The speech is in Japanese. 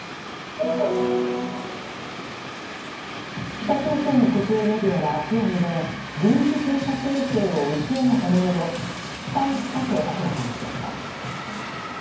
北朝鮮の国営メディアは今日未明軍事偵察衛星を打ち上げたものの失敗したと明らかにしました。